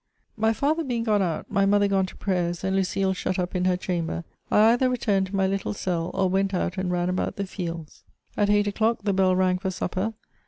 My father beii^ gone out, my mother gone to prayers, and Lucile shut up in her chamber, I either returned to my little cell, or went out and ran about the fields. At eight o'clock, the bell rang for sapper.